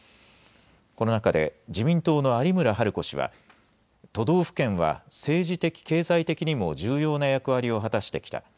この中で自民党の有村治子氏は、都道府県は政治的・経済的にも重要な役割を果たしてきた。